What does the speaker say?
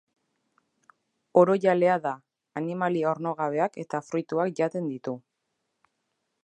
Orojalea da, animalia ornogabeak eta fruituak jaten ditu.